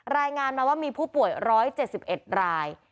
รายงานมาว่ามีผู้ป่วย๑๗๑ราย